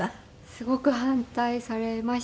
すごく反対されましたね。